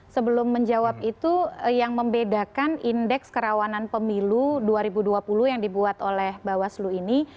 sebelum menjawab itu yang membedakan indeks kerawanan pemilu dua ribu dua puluh yang dibuat oleh bawaslu ini